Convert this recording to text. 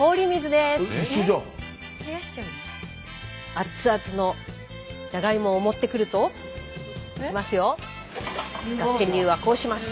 アッツアツのじゃがいもを持ってくると。いきますよ。